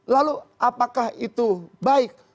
lalu apakah itu baik